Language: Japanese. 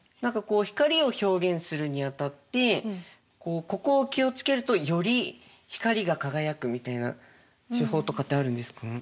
光を表現するにあたってここを気を付けるとより光が輝くみたいな手法とかってあるんですか？